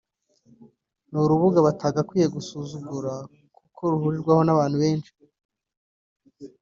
n’urubuga batagakwiye gusuzugura kuko ruhurirwaho n’abantu benshi